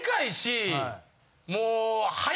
もう。